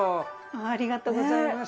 ありがとうございます。